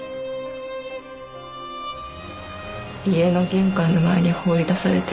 家の玄関の前に放り出されて。